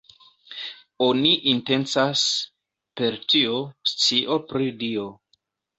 Oni intencas per tio "scio pri Dio".